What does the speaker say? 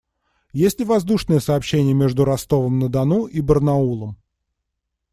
Есть ли воздушное сообщение между Ростовом-на-Дону и Барнаулом?